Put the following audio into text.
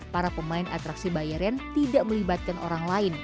para pemain atraksi bayaren tidak melibatkan orang lain